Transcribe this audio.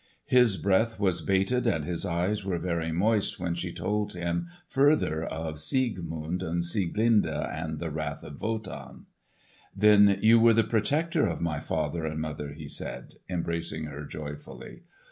His breath was bated and his eyes were very moist when she told further of Siegmund and Sieglinde and the wrath of Wotan. "Then you were the protector of my father and mother!" he said, embracing her joyfully.